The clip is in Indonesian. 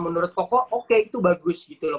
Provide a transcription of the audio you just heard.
menurut koko oke itu bagus gitu loh